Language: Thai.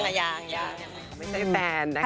ไม่ใช่แฟนนะคะ